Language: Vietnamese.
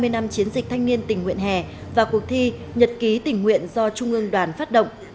hai mươi năm chiến dịch thanh niên tình nguyện hè và cuộc thi nhật ký tình nguyện do trung ương đoàn phát động